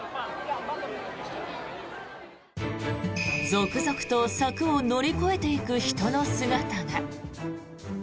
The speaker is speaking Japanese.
続々と柵を乗り越えていく人の姿が。